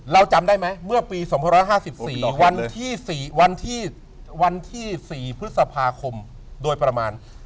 จำได้ไหมเมื่อปี๒๕๔วันที่๔พฤษภาคมโดยประมาณ